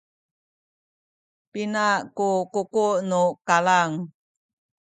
pina ku kuku’ nu kalang?